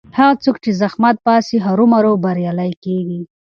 هغه څوک چې زحمت باسي هرو مرو بریالی کېږي.